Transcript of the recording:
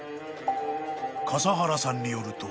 ［笠原さんによると］